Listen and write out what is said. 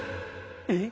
えっ？